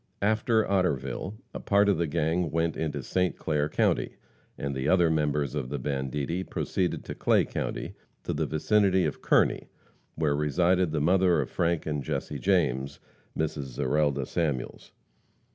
After Otterville, a part of the gang went into St. Clair county, and the other members of the banditti proceeded to Clay county, to the vicinity of Kearney, where resided the mother of Frank and Jesse James, Mrs. Zerelda Samuels.